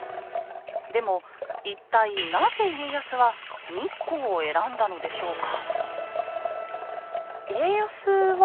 でも一体なぜ家康は日光を選んだのでしょうか？